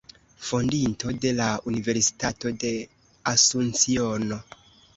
Fondinto de la Universitato de Asunciono.